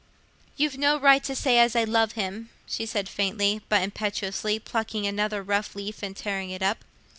"You've no right to say as I love him," she said, faintly, but impetuously, plucking another rough leaf and tearing it up.